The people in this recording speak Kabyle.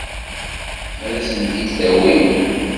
Ad asent-t-id-tawim?